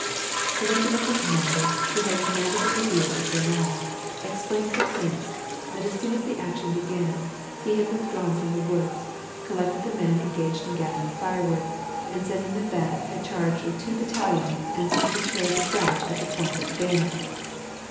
The regimental commander, who liad commanded the review at Braunau, explained to the prince, that as soon as tlie action began, he had withdrawn from the woods, collected the men engaged in gathering firewood, and, sending them back, hail charged with two battalions, and simply carried the French at the point of the bayonet.